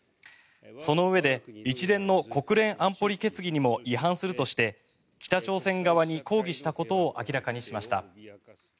そのうえで一連の国連安保理決議にも違反するとして北朝鮮側に抗議したことを明らかにしました。